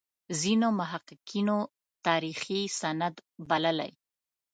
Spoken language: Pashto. ځینو محققینو تاریخي سند بللی.